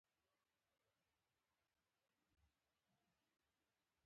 باید پر خپله پښتو باندې ټینګ شم.